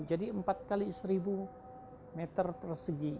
jadi empat kali seribu meter persegi